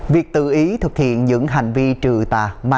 việc tự ý thực hiện những hành vi trừ tà